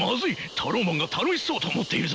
タローマンが楽しそうと思っているぞ！